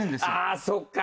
ああそうか。